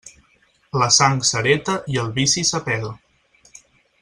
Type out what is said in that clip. La sang s'hereta i el vici s'apega.